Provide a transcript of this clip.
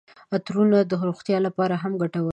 عطرونه د روغتیا لپاره هم ګټور دي.